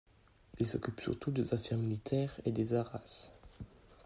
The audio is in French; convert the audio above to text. Il s'occupe surtout des affaires militaires et des haras.